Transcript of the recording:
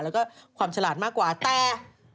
แล้วก็ความฉลาดมากกว่าแต่